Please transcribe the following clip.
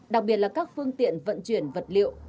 đặc biệt là các phương tiện vận chuyển vật liệu